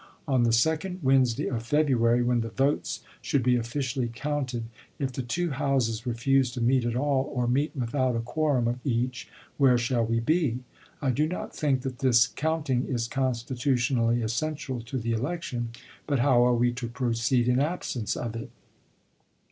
On the second Wednesday of February, ch. xxii. when the votes should be officially counted, if the two Houses refuse to meet at all, or meet without a quorum of each, where shall we be ? I do not think that this count ing is constitutionally essential to the election ; but how are we to proceed in absence of it